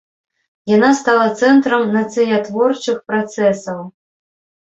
Яна стала цэнтрам нацыятворчых працэсаў.